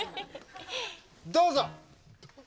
どうぞ！